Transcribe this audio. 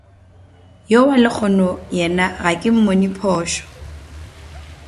Yo wa lehono yena ga ke mmone phošo.